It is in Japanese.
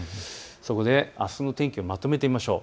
そこであすの天気をまとめてみましょう。